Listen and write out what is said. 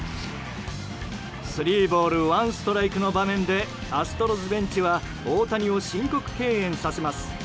スリーボールワンストライクの場面で、アストロズベンチは大谷を申告敬遠させます。